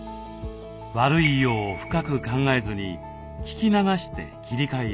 「悪いよう深く考えずに聞き流して切り替えよう。